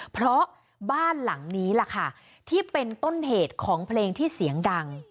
เพราะบ้านหลังนี้แหละค่ะที่เป็นต้นเหตุของเพลงที่เสียงดัง